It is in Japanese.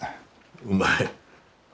うまい。